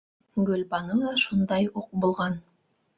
Гөлбаныу ҙа шундай уҡ булған.